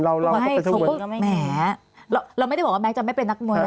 เราไม่ได้บอกว่าแม็กจะไม่เป็นนักมวยนะ